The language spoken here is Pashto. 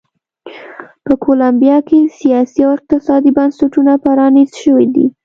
په کولمبیا کې سیاسي او اقتصادي بنسټونه پرانیست شوي دي.